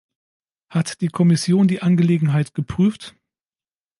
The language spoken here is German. Hat die Kommission die Angelegenheit geprüft?